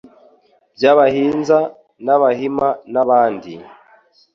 by'Abahinza n'Abahima n abandi,